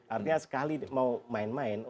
artinya sekali mau main main